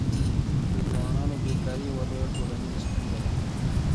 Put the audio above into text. د ځوانانو بېکاري یوه لویه ټولنیزه ستونزه ده.